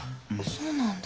そうなんだ。